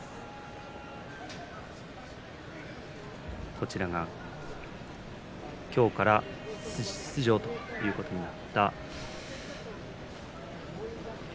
こちらが、今日から出場ということになった霧